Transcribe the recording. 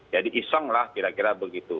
jadi iseng lah kira kira begitu